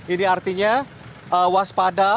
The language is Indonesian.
ini artinya waspada